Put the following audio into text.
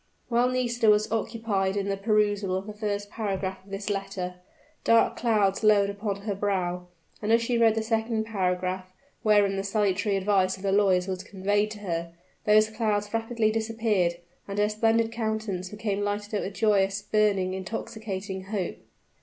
While Nisida was occupied in the perusal of the first paragraph of this letter, dark clouds lowered upon her brow; but as she read the second paragraph, wherein the salutary advice of the lawyers was conveyed to her, those clouds rapidly dispersed, and her splendid countenance became lighted up with joyous, burning, intoxicating hope!